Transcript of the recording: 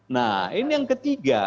nah ini yang ketiga